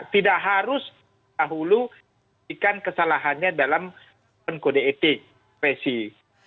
tidak harus terhulu menjelaskan kesalahannya dalam kode etik spesifik